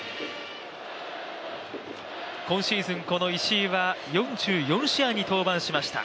今シーズン、この石井は４４試合に登板しました。